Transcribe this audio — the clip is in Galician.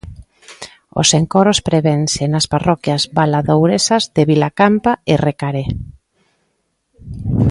Os encoros prevense nas parroquias valadouresas de Vilacampa e Recaré.